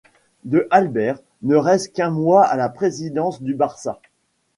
De Albert ne reste qu'un mois à la présidence du Barça.